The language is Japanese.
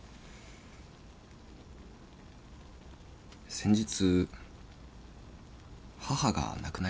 先日母が亡くなりまして。